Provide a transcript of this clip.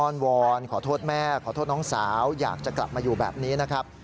วอนขอโทษแม่ขอโทษน้องสาวอยากจะกลับมาอยู่แบบนี้นะครับ